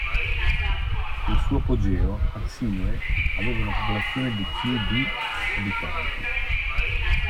Nel suo apogeo Arsinoe aveva una popolazione di più di abitanti.